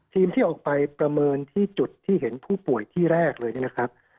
ที่ออกไปประเมินที่จุดที่เห็นผู้ป่วยที่แรกเลยเนี่ยนะครับ